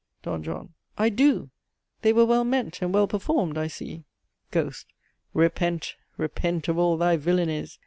"D. JOHN. I do! They were well meant and well performed, I see. "GHOST. Repent, repent of all thy villanies.